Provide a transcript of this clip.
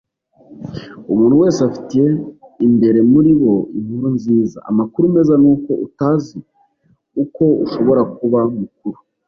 umuntu wese afite imbere muri bo inkuru nziza. amakuru meza nuko utazi uko ushobora kuba mukuru